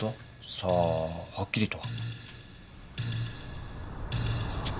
さあはっきりとは。